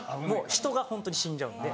人がホントに死んじゃうんで。